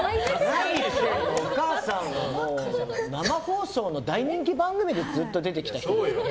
お母さんは生放送の大人気番組にずっと出てきた人ですから。